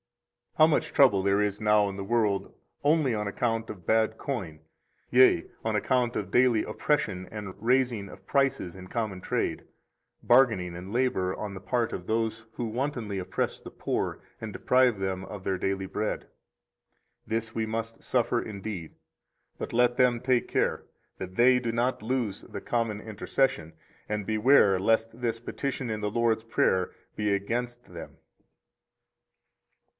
84 How much trouble there is now in the world only on account of bad coin, yea, on account of daily oppression and raising of prices in common trade, bargaining and labor on the part of those who wantonly oppress the poor and deprive them of their daily bread! This we must suffer indeed; but let them take care that they do not lose the common intercession, and beware lest this petition in the Lord's Prayer be against them.